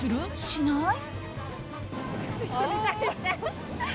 しない？